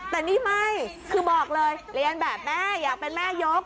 แต่นี่ไม่คือบอกเลยเรียนแบบแม่อยากเป็นแม่ยก